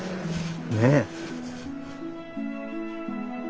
ねえ。